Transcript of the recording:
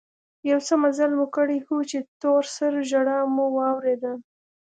يو څه مزل مو کړى و چې د تور سرو ژړا مو واورېدل.